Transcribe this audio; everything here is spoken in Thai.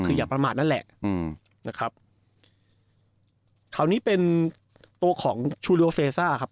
คืออย่าประมาทนั่นแหละอืมนะครับคราวนี้เป็นตัวของชูเรียเซซ่าครับ